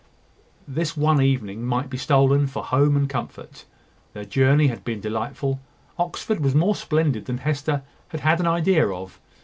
This one evening might be stolen for home and comfort. Their journey had been delightful. Oxford was more splendid than Hester had had an idea of.